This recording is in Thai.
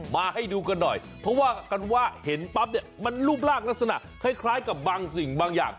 มาให้ดูกันหน่อยเพราะว่ากันว่าเห็นปั๊บเนี่ยมันรูปร่างลักษณะคล้ายกับบางสิ่งบางอย่าง